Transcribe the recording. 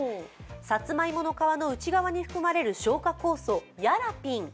さつまいもの皮の内側に含まれる消化酵素、ヤラピン。